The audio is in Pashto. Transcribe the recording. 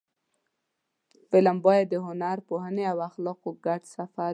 فلم باید د هنر، پوهنې او اخلاقو ګډ سفر وي